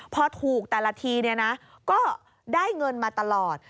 พอถูกแต่ละทีก็ได้เงินมาตลอด